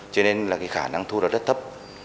cho nên là cái khả năng thu nó rất thấp